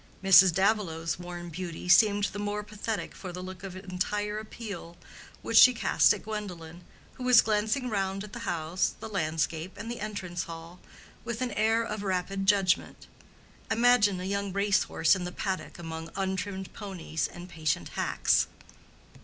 Mrs. Davilow's worn beauty seemed the more pathetic for the look of entire appeal which she cast at Gwendolen, who was glancing round at the house, the landscape and the entrance hall with an air of rapid judgment. Imagine a young race horse in the paddock among untrimmed ponies and patient hacks.